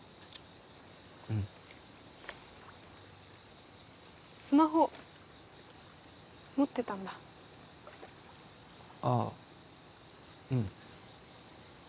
うんスマホ持ってたんだああうん